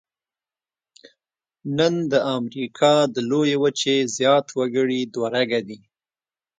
نن د امریکا د لویې وچې زیات وګړي دوه رګه دي.